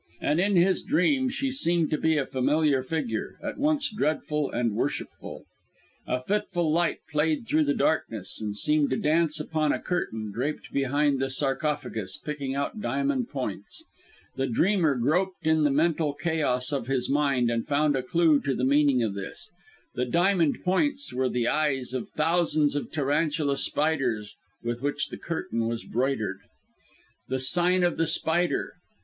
And in his dream she seemed to be a familiar figure, at once dreadful and worshipful. A fitful light played through the darkness, and seemed to dance upon a curtain draped behind the sarcophagus, picking out diamond points. The dreamer groped in the mental chaos of his mind, and found a clue to the meaning of this. The diamond points were the eyes of thousands of tarantula spiders with which the curtain was broidered. The sign of the spider!